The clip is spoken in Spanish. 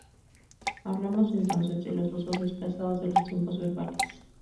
Hablamos entonces de los usos desplazados de los tiempos verbales.